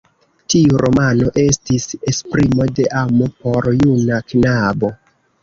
Tiu romano estis esprimo de amo por juna knabo.